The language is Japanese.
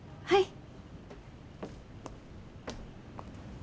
はい。